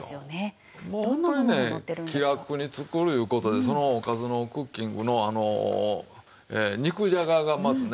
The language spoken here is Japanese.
もうホントにね「気楽につくる」いう事でその『おかずのクッキング』のあの肉じゃががまずね。